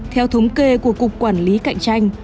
theo thống kê của cục quản lý cạnh tranh